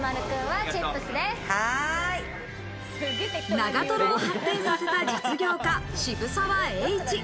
長瀞を発展させた実業家・渋沢栄一。